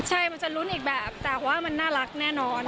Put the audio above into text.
ใช่มันจะลุ้นอีกแบบแต่ว่ามันน่ารักแน่นอน